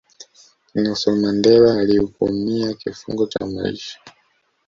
nelson mandela alihukumia kifungo cha maisha